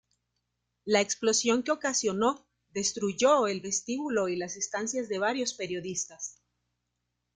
La explosión que ocasionó destruyó el vestíbulo y las estancias de varios periodistas.